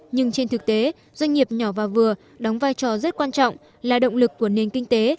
nhưng trên thực tế doanh nghiệp nhỏ và vừa đóng vai trò rất quan trọng là động lực của nền kinh tế